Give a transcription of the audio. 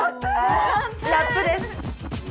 ラップです。